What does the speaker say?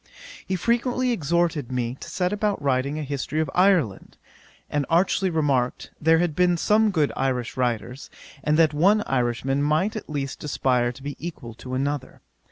'He frequently exhorted me to set about writing a History of Ireland, and archly remarked, there had been some good Irish writers, and that one Irishman might at least aspire to be equal to another.